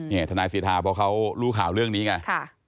นี่ทนายสิทธาเพราะเขารู้ข่าวเรื่องนี้ไง